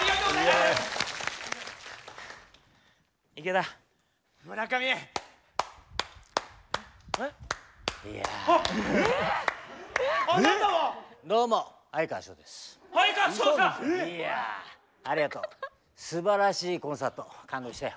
すばらしいコンサート感動したよ。